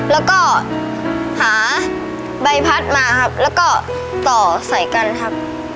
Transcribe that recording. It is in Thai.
แล้วก็หาใบพัดมาครับแล้วก็ต่อใส่กันครับ